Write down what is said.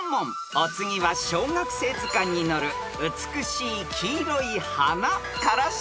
［お次は小学生図鑑に載る美しい黄色い花から出題］